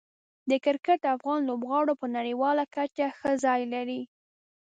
د کرکټ افغان لوبغاړو په نړیواله کچه ښه ځای لري.